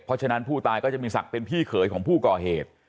เพราะฉะนั้นผู้ตายก็จะมีศักดิ์เป็นพี่เขยของผู้ก่อเหตุ